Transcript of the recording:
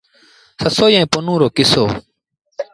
سسئيٚ ائيٚݩ پنهون رو ڪسو۔